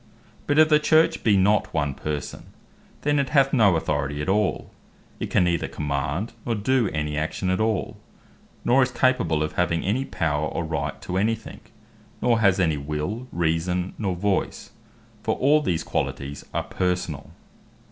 But if the Church be not one person, then it hath no authority at all; it can neither command, nor doe any action at all; nor is capable of having any power, or right to any thing; nor has any Will, Reason, nor Voice; for all these qualities are personall.